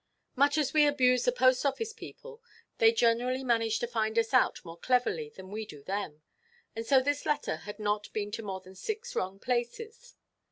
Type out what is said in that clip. Much as we abuse the Post–office people, they generally manage to find us out more cleverly than we do them; and so this letter had not been to more than six wrong places.